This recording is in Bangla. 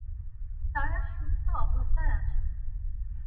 তারা সুপ্ত অবস্থায় আছ।